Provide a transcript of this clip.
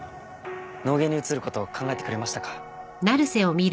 脳外に移ること考えてくれましたか？